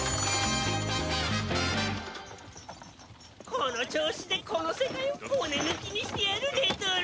この調子でこの世界を骨抜きにしてやるレトロ！